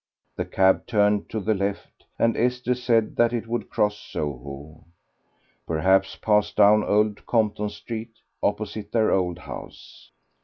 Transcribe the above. The cab turned to the left, and Esther said that it would cross Soho, perhaps pass down Old Compton Street, opposite their old house.